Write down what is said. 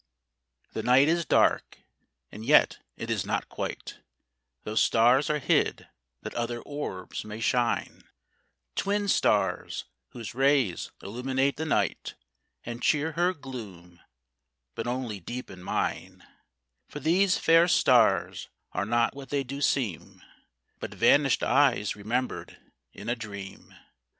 The night is dark, and yet it is not quite: Those stars are hid that other orbs may shine; Twin stars, whose rays illuminate the night, And cheer her gloom, but only deepen mine; For these fair stars are not what they do seem, But vanish'd eyes remember'd in a dream.